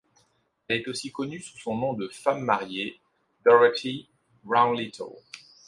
Elle est aussi connue sous son nom de femme mariée, Dorothy Round-Little.